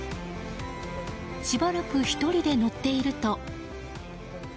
しばらく１人で乗っていると。